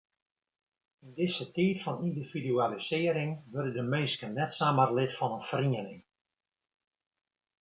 Yn dizze tiid fan yndividualisearring wurde de minsken net samar lid fan in feriening.